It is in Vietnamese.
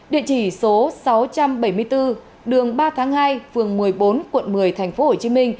địa chỉ số sáu trăm bảy mươi bốn đường ba tháng hai phường một mươi bốn quận một mươi tp hcm